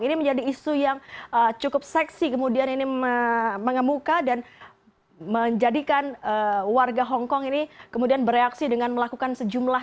ini menjadi isu yang cukup seksi kemudian ini mengemuka dan menjadikan warga hongkong ini kemudian bereaksi dengan melakukan sejumlah